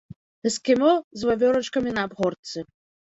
Эскімо з вавёрачкамі на абгортцы.